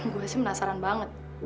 gue sih penasaran banget